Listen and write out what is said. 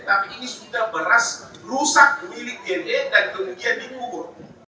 tapi ini sudah beras rusak milik gene dan kemudian dikubur